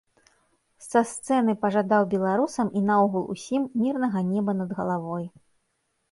Са сцэны пажадаў беларусам і наогул усім мірнага неба над галавой.